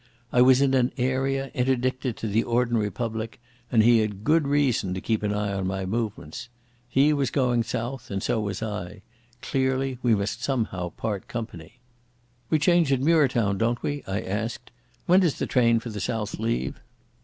I was in an area interdicted to the ordinary public; and he had good reason to keep an eye on my movements. He was going south, and so was I; clearly we must somehow part company. "We change at Muirtown, don't we?" I asked. "When does the train for the south leave?"